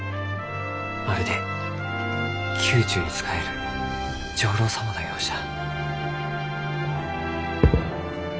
まるで宮中に仕える上臘様のようじゃ。